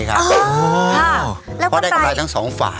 เพราะได้กำไรทั้งสองฝ่าย